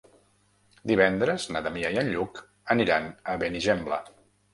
Divendres na Damià i en Lluc aniran a Benigembla.